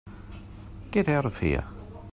Get out of here.